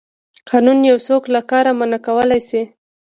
قانون یو څوک له کار منع کولی شي.